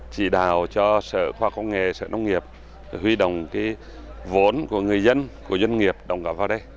chỉ đào cho sở khoa học công nghệ sở nông nghiệp huy động cái vốn của người dân của doanh nghiệp đồng cảm vào đây